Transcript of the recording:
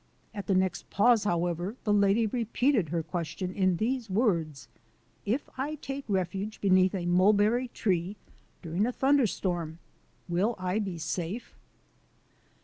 At the next pause, however, the lady re peated her question in these words: "If I take ref uge beneath a mulberry tree during a thunder storm will I be safe?"